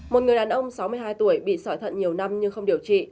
một người đàn ông sáu mươi hai tuổi bị sỏi thận nhiều năm nhưng không điều trị